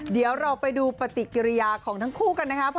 เดี๋ยวเราไปดูปฏิกิริยาของทั้งคู่กันนะครับ